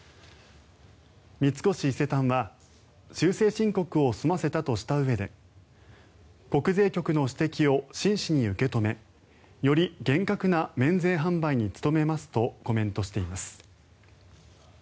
三越伊勢丹は修正申告を済ませたとしたうえで国税局の指摘を真摯に受け止めより厳格な免税販売に努めますとコメントしています。